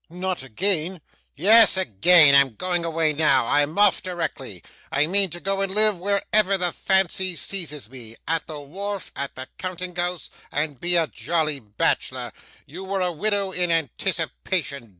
'Not again!' 'Yes, again. I'm going away now. I'm off directly. I mean to go and live wherever the fancy seizes me at the wharf at the counting house and be a jolly bachelor. You were a widow in anticipation.